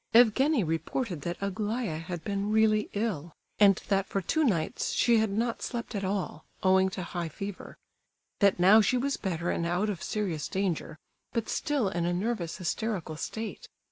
Evgenie reported that Aglaya had been really ill, and that for two nights she had not slept at all, owing to high fever; that now she was better and out of serious danger, but still in a nervous, hysterical state.